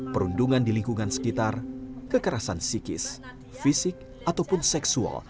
perundungan di lingkungan sekitar kekerasan psikis fisik ataupun seksual